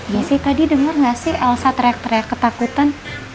jessy tadi denger gak sih elsa teriak teriak ketakutan